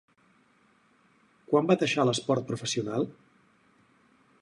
Quan va deixar l'esport professional?